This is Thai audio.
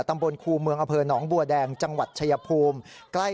ตัมบลคูเมืองอเผยนองบัวแดงจังหวัดเฉยภูมิ